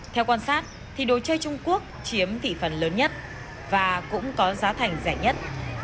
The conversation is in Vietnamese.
theo quan sát thì đồ chơi trung quốc chiếm thị phần lớn nhất và cũng có giá thành rẻ nhất